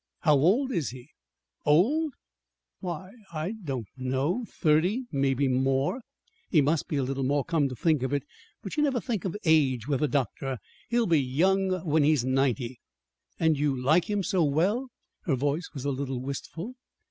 "How old is he?" "Old? Why, I don't know thirty maybe more. He must be a little more, come to think of it. But you never think of age with the doctor. He'll be young when he's ninety." "And you like him so well?" Her voice was a little wistful.